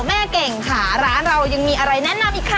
แม่เก่งค่ะร้านเรายังมีอะไรแนะนำอีกค่ะ